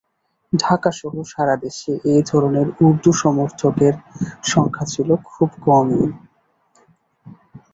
ঢাকাসহ সারা দেশে এ ধরনের উর্দু সমর্থকের সংখ্যা ছিল খুব কমই।